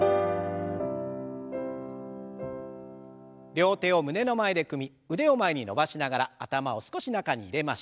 両手を胸の前で組み腕を前に伸ばしながら頭を少し中に入れましょう。